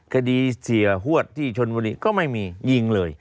คดีเสียหวดที่ชนบุรีก็ไม่มียิงเลย